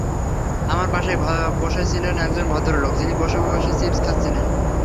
আমার পাশেই বসে ছিল একজন ভদ্রলোক, যিনি বসে বসে চিপস খাচ্ছিলেন।